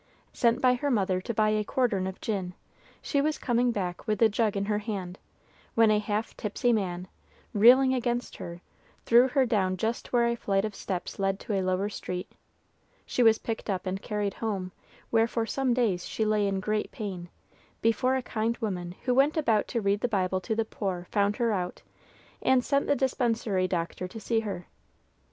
Sent by her mother to buy a quartern of gin, she was coming back with the jug in her hand, when a half tipsy man, reeling against her, threw her down just where a flight of steps led to a lower street. She was picked up and carried home, where for some days she lay in great pain, before a kind woman who went about to read the Bible to the poor, found her out, and sent the dispensary doctor to see her.